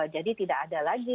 jadi tidak ada lagi